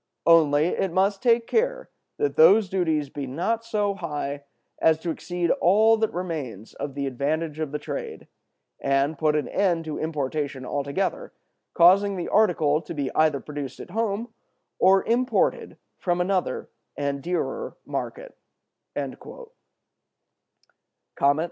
Only it must take care that those duties be not so high as to exceed all that remains of the advantage of the trade, and put an end to importation altogether, causing the article to be either produced at home, or imported from another and a dearer market."